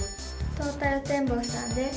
トータルテンボスさんです。